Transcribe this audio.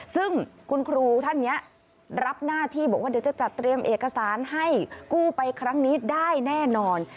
ซึ่งคุณครูท่านนี้รับหน้าที่บอกว่าเดี๋ยวจะจัดเตรียมเอกสารให้กู้ไปครั้งนี้ได้แน่นอน